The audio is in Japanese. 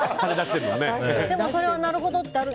でも、それはなるほどって。